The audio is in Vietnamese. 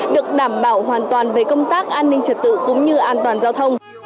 được đảm bảo hoàn toàn về công tác an ninh trật tự cũng như an toàn giao thông